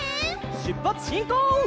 しゅっぱつしんこう！